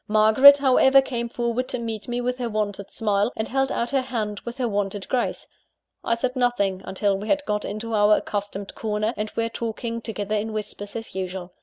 Margaret, however, came forward to meet me with her wonted smile, and held out her hand with her wonted grace. I said nothing until we had got into our accustomed corner, and were talking together in whispers as usual.